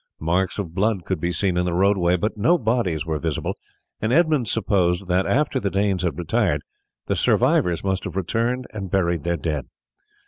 Marks of blood could be seen in the roadway, but no bodies were visible, and Edmund supposed that, after the Danes had retired, the survivors must have returned and buried their dead.